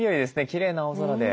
きれいな青空で。